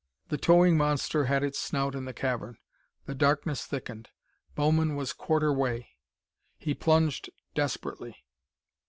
The towing monster had its snout in the cavern. The darkness thickened. Bowman was quarter way! He plunged desperately.